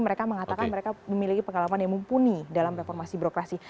mereka mengatakan mereka memiliki pengalaman yang mumpuni dalam reformasi birokrasi